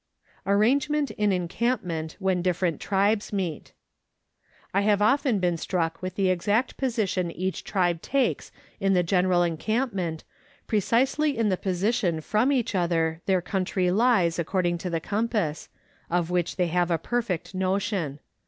Arrangement in Encampment when Different Tribes meet. I have often been struck with the exact position each tribe takes in the general encampment, precisely in the position from each other their country lies according to the compass (of which they have a perfect notion).